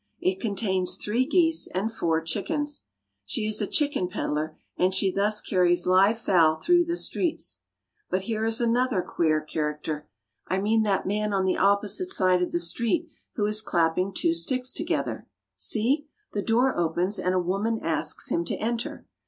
It contains three geese and four chickens. She is a chicken peddler, and she thus carries live fowl through the streets. But here is another queer character. I mean that man on the opposite side of the street, who is clapping two sticks together. See ! the door opens and a woman asks him to enter.